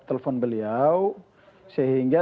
telepon beliau sehingga